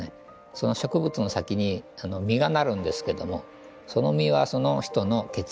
その植物の先に実がなるんですけどもその実はその人の血液が詰まっている。